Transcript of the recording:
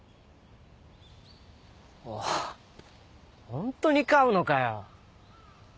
ホントに飼うのかよ。